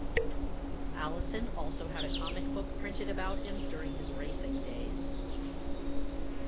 Allison also had a comic book printed about him during his racing days.